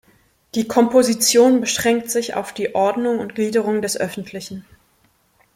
Die Komposition beschränkt sich auf die Ordnung und Gliederung des Öffentlichen.